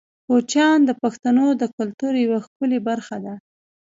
کوچیان د پښتنو د کلتور یوه ښکلې برخه ده.